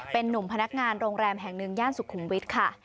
เป็นนุ่มพนักงานโรงแรมแห่งหนึ่งย่านสุขุมวิทย์ค่ะ